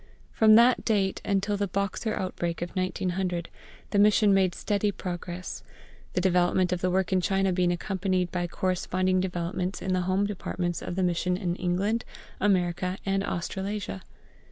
From that date until the Boxer outbreak of 1900 the Mission made steady progress, the development of the work in China being accompanied by corresponding developments in the home departments of the Mission in England, America, and Australasia.